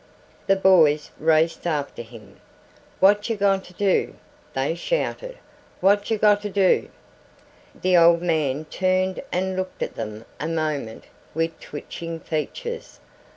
The boys raced after him. "What yer gonter do?" they shouted. "What yer gonter do?" The old man turned and looked at them a moment with twitching features.